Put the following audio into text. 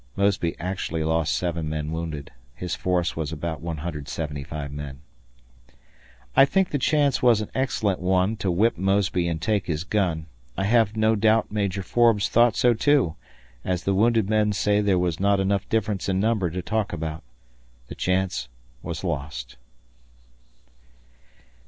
[Mosby actually lost seven men wounded. His force was about 175 men.] I think the chance was an excellent one to whip Mosby and take his gun. I have no doubt Major Forbes thought so, too, as the wounded men say there was not enough difference in numbers to talk about. The chance was lost.